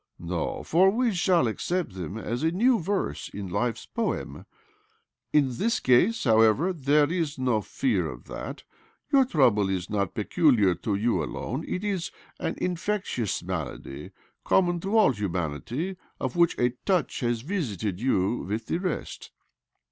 " No ; for we shall accept them as a new verse in life's poem. In this case, however, there is no fear of that. Your trouble is not peculiar to you alone ; it is an infectious malady common to all humanity, of which a touch has visited you with the rest.